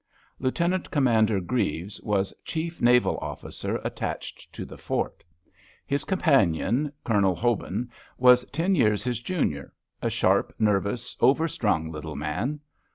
Lieutenant Commander Grieves was chief naval officer attached to the fort. His companion, Colonel Hobin, was ten years his junior—a sharp, nervous, over strung little man.